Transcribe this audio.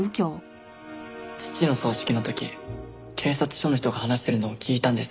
父の葬式の時警察署の人が話してるのを聞いたんです。